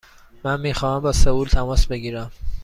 من می خواهم با سئول تماس بگیرم.